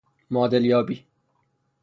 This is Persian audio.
معادل یابی